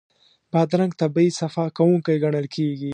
بادرنګ طبعي صفا کوونکی ګڼل کېږي.